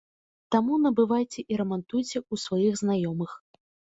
Таму набывайце і рамантуйце ў сваіх знаёмых.